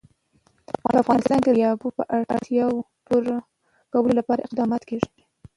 په افغانستان کې د دریابونه د اړتیاوو پوره کولو لپاره اقدامات کېږي.